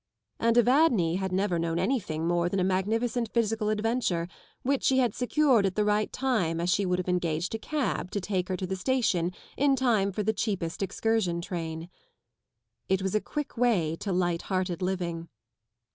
And Evadne had never known anything more than a magnificent physical adventure which she had secured at the right time as she would have engaged a cab to take her to the station in time for the cheapest excursion train. It was a quick way to light hearted living.